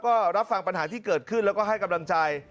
ก็รับฟังปัญหาที่เกิดขึ้นแล้วก็ให้กำลังใจ